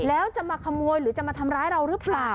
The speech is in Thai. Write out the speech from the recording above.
แล้วจะมาขโมยหรือจะมาทำร้ายเราหรือเปล่า